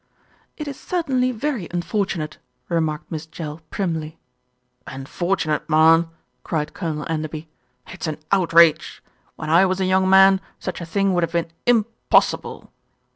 "It is certainly very unfortunate," remarked Miss Jell primly. "Unfortunate, marm!" cried Colonel Enderby. "It's an outrage. When I was a young man, such a thing would have been impossible."